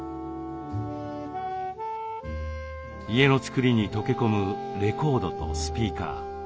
家の造りに溶け込むレコードとスピーカー。